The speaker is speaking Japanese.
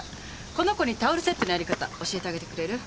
この子にタオルセットのやり方教えてあげてくれる？